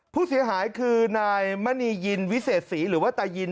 ผู้เสียหายคือนายมณียินวิเศษศรีหรือว่าตายิน